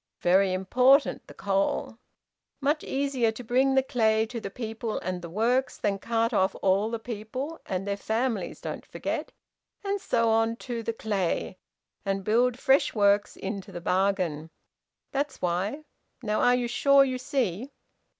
Very important, the coal! Much easier to bring the clay to the people and the works, than cart off all the people and their families, don't forget and so on, to the clay, and build fresh works into the bargain... That's why. Now are you sure you see?"